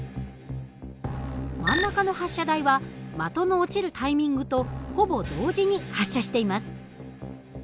真ん中の発射台は的の落ちるタイミングとほぼ同時に発射しています。